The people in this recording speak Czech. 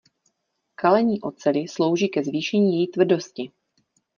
Kalení oceli slouží ke zvýšení její tvrdosti.